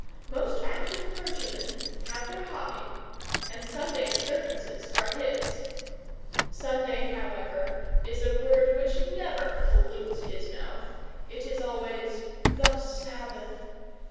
Most active clergymen have their hobby, and Sunday observances are his. Sunday, however, is a word which never pollutes his mouth it is always 'the Sabbath'.